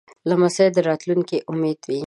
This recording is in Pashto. لمسی د راتلونکې امید وي.